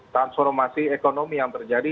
transformasi ekonomi yang terjadi